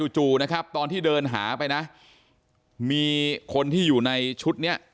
จู่นะครับตอนที่เดินหาไปนะมีคนที่อยู่ในชุดนี้